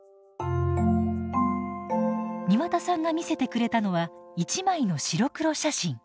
庭田さんが見せてくれたのは１枚の白黒写真。